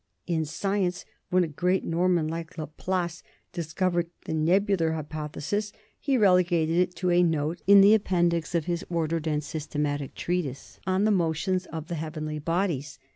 In science, when a great Norman like Laplace discovered the neb ular hypothesis, he relegated it to a note in the ap pendix to his ordered and systematic treatise on the 1 Mont Saint Michel and Chartres, p.